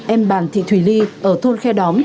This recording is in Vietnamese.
em bạn thị thùy ly ở thôn khe đóm